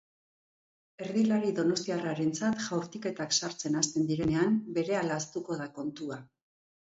Erdilari donostiarrarentzat jaurtiketak sartzen hasten direnean berehala ahaztuko da kontua.